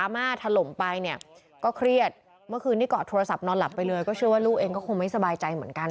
เมื่อคืนที่กอดโทรศัพท์นอนหลับไปเลยก็เชื่อว่าลูกเองก็คงไม่สบายใจเหมือนกัน